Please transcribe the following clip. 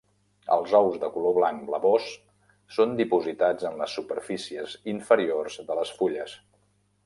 Els ous de color blanc blavós són dipositats en les superfícies inferiors de les fulles.